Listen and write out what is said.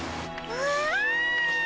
うわ！